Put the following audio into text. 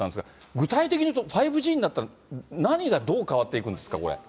具体的に言うと５Ｇになったら、何がどう変わっていくんですか？